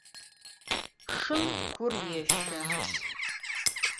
Şşım kur yêşe.